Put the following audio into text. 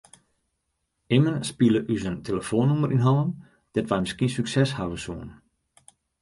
Immen spile ús in telefoannûmer yn hannen dêr't wy miskien sukses hawwe soene.